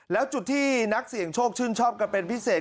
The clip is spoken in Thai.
แล้วจุดที่นักเสี่ยงโชคชื่นชอบกันเป็นพิเศษ